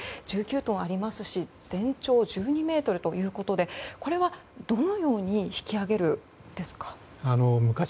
１９トンありますし全長１２ｍということでこれは、どのように引き揚げるんですか。